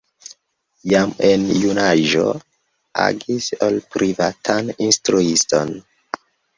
Jam en junaĝo agis ol privatan instruiston.